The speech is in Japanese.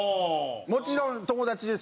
もちろん友達ですよ。